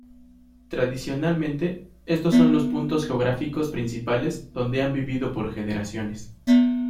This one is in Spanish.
Tradicionalmente, estos son los puntos geográficos principales donde han vivido por generaciones.